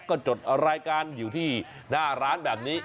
ก็จดรายการอยู่ที่หน้าร้านแบบนี้